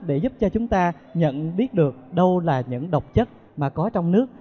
để giúp cho chúng ta nhận biết được đâu là những độc chất mà có trong nước